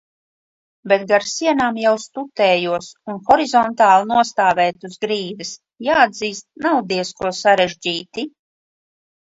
Bet gar sienām jau stutējos un horizontāli nostāvēt uz grīdas, jāatzīst, nav diezko sarežģīti.